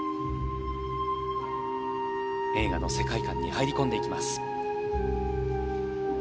映画の世界観に入り込んでいきます。